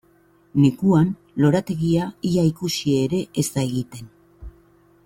Neguan lorategia ia ikusi ere e da egiten.